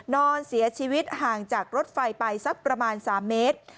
นอนเสียชีวิตห่างจากรถไฟไปสักประมาณ๓เมตร